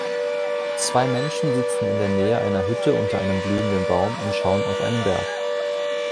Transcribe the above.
Zwei Menschen sitzen in der Nähe einer Hütte unter einem blühenden Baum und schauen auf einen Berg